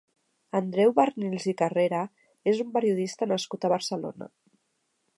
Andreu Barnils i Carrera és un periodista nascut a Barcelona.